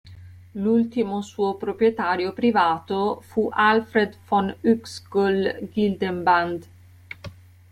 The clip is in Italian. L'ultimo suo proprietario privato fu Alfred von Uexkll-Gyldenband.